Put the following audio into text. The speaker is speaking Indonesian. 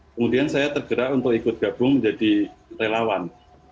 kemudian saya tergerak untuk ikut gabung menjadi relawan